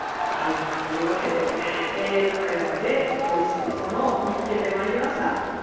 というわけで、高山でおいしいものを見つけてまいりました。